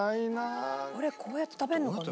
これこうやって食べるのかな？